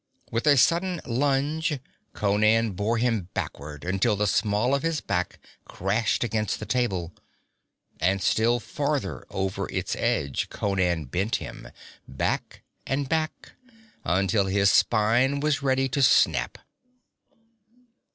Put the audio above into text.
With a sudden lunge Conan bore him backward until the small of his back crashed against the table. And still farther over its edge Conan bent him, back and back, until his spine was ready to snap.